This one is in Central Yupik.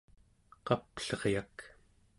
qapleryak